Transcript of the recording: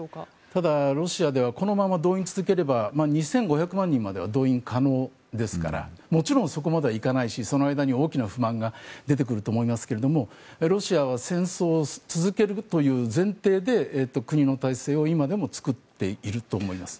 ただ、ロシアではこのまま動員を続ければ２５００万人までは動員可能ですからもちろんそこまでは行かないしその間に大きな不満が出てくると思いますがロシアは戦争を続けるという前提で国の体制を今でも作っていると思います。